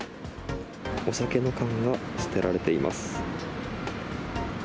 お酒の缶が捨てられています。